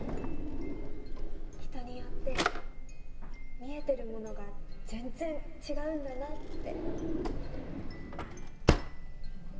人によって見えてるものが全然違うんだなって。